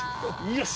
よし！